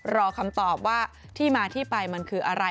รอคำตอบว่าที่มาที่ไปมันคืออะไร